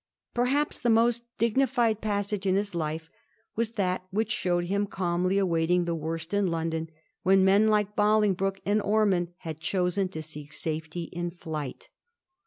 Perhaps the most dignified passage in his life was that which showed him calmly awaiting the worst in London, when men like Bolingbroke and Ormond had chosen to seek safety in flight.